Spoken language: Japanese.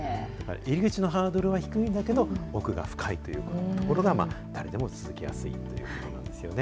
入り口のハードルは低いんだけど、奥が深いというところが、誰でも続けやすいということなんですよね。